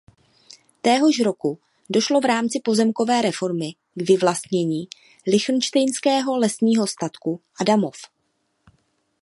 Téhož roku došlo v rámci pozemkové reformy k vyvlastnění lichtenštejnského lesního statku Adamov.